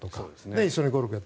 一緒にゴルフをやって。